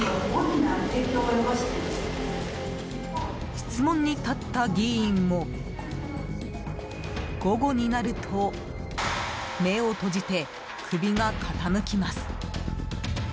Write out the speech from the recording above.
質問に立った議員も午後になると目を閉じて首が傾きます。